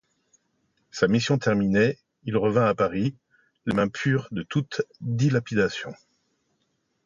Sa mission terminée, il revint à Paris, les mains pures de toute dilapidation.